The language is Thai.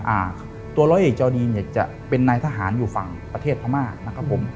อ่าตัวร้อยเอกจอดีนเนี่ยจะเป็นนายทหารอยู่ฝั่งประเทศพม่านะครับผม